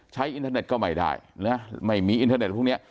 อินเทอร์เน็ตก็ไม่ได้นะไม่มีอินเทอร์เน็ตพวกนี้